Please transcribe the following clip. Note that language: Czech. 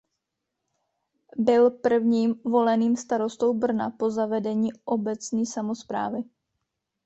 Byl prvním voleným starostou Brna po zavedení obecní samosprávy.